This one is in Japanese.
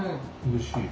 おいしい。